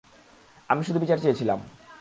আমি শুধু বিচার চেয়েছিলাম।